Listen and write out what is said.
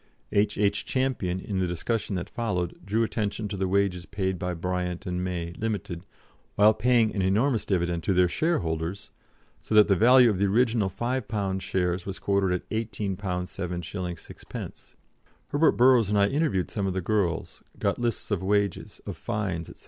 H.H. Champion, in the discussion that followed, drew attention to the wages paid by Bryant & May (Limited), while paying an enormous dividend to their shareholders, so that the value of the original £5 shares was quoted at £18 7s. 6d. Herbert Burrows and I interviewed some of the girls, got lists of wages, of fines, &c.